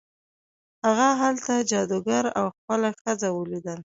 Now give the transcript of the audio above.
هغه هلته جادوګر او خپله ښځه ولیدل.